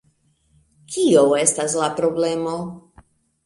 Kio estas la problemo?